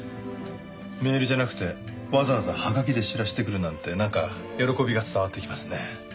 メールじゃなくてわざわざハガキで知らせてくるなんてなんか喜びが伝わってきますね。